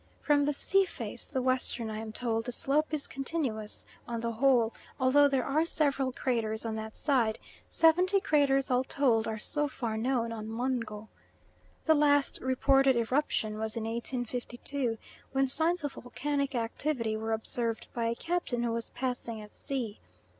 From the sea face, the western, I am told the slope is continuous on the whole, although there are several craters on that side; seventy craters all told are so far known on Mungo. The last reported eruption was in 1852, when signs of volcanic activity were observed by a captain who was passing at sea.